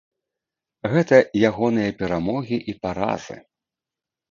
Гэта ягоныя перамогі і паразы.